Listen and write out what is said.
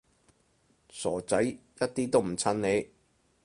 傻仔，一啲都唔襯你